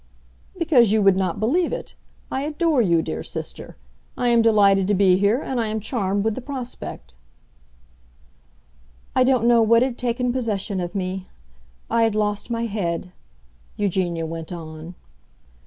"Because you would not believe it. I adore you, dear sister! I am delighted to be here, and I am charmed with the prospect." "I don't know what had taken possession of me. I had lost my head," Eugenia went on.